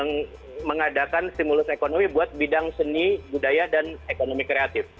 yang mengadakan stimulus ekonomi buat bidang seni budaya dan ekonomi kreatif